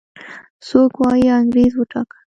څوک وايي انګريز وګاټه.